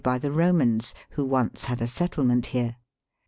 345 by the Eomans, who once had a settlement here.